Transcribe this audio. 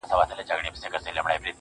• كله وي خپه اكثر.